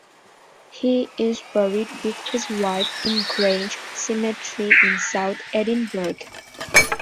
He is buried with his wife in Grange Cemetery in south Edinburgh.